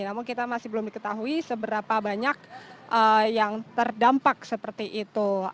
namun kita masih belum diketahui seberapa banyak yang terdampak seperti itu